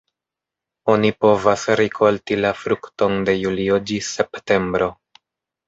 Oni povas rikolti la frukton de julio ĝis septembro.